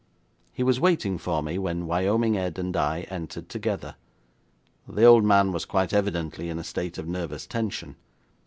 He was waiting for me when Wyoming Ed and I entered together. The old man was quite evidently in a state of nervous tension.